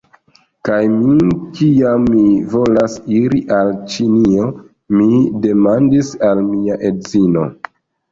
Kaj mi, kiam mi volas iri al Ĉinio, mi demandis al mia edzino: